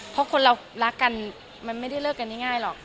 เพราะคนเรารักกันมันไม่ได้เลิกกันง่ายหรอก